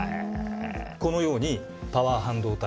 このようにパワー半導体